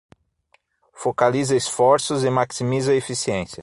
Focaliza esforços e maximiza a eficiência